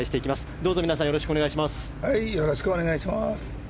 どうぞ皆さんよろしくお願いします。